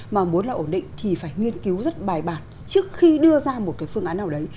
mà muốn là ổn định thì phải nghiên cứu rất bài bản trước khi đưa ra một cái phương án nào đấy